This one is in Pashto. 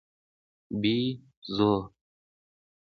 🐒بېزو